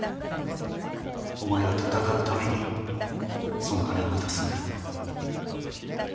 お前が戦うためにその金を渡すんだ。